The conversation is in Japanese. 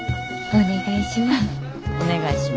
お願いします。